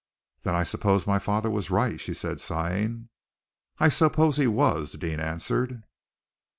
"Then I suppose my father was right," she said, sighing. "I suppose he was," Deane answered.